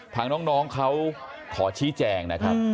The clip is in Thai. ทางน้องเขาขอชี้แจงนะครับ